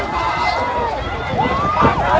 สวัสดีครับทุกคน